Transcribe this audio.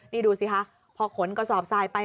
นี่ดูสิคะพอขนกระสอบทรายไป